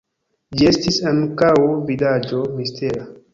Ĝi estis ankaŭ vidaĵo mistera.